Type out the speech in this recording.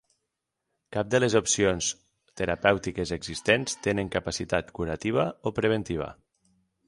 Cap de les opcions terapèutiques existents tenen capacitat curativa o preventiva.